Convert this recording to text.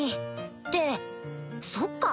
ってそっか！